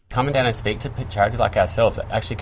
karena saya pikir kadang kadang hal terbesar adalah